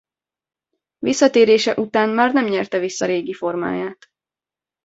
Visszatérése után már nem nyerte vissza régi formáját.